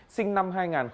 sinh năm hai nghìn sáu